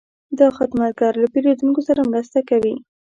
دا خدمتګر له پیرودونکو سره مرسته کوي.